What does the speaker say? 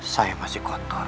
saya masih kotor